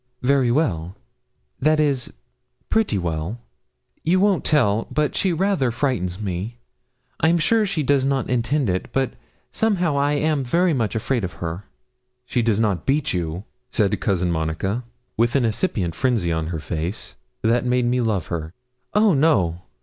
'Very well that is, pretty well. You won't tell? but she rather frightens me. I'm sure she does not intend it, but somehow I am very much afraid of her.' 'She does not beat you?' said Cousin Monica, with an incipient frenzy in her face that made me love her. 'Oh no!'